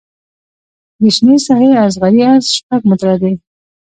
د شنې ساحې اصغري عرض شپږ متره دی